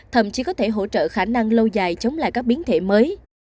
thậm chí có thể hỗ trợ khả năng lâu dài chống lại các biến thể mới